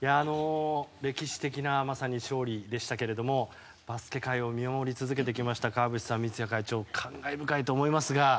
歴史的な勝利でしたがバスケ界を見守り続けてきました川淵さん、三屋会長感慨深いと思いますが。